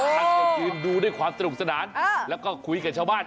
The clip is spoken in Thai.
ท่านก็ยืนดูด้วยความสนุกสนานแล้วก็คุยกับชาวบ้าน